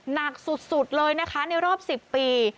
หนักสุดเลยนะคะในรอบ๑๐ปี